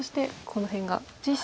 この辺が。